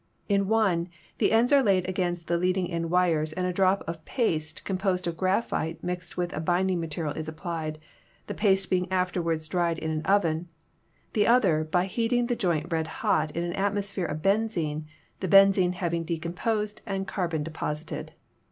In one, the ends are laid against the leading in wires and a drop of paste composed of graphite mixed with a binding material is applied, the paste being afterward dried in an oven; in the other, by heating the joint red hot in an atmosphere of benzene, the benzene having decomposed and carbon deposited.